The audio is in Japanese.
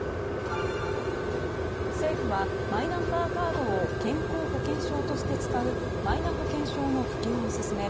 政府はマイナンバーカードを健康保険証として使うマイナ保険証の普及を進め